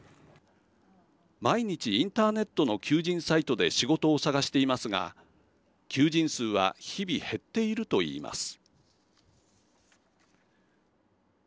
毎日、インターネットの求人サイトで仕事を探していますが求人数は日々減っているといいます。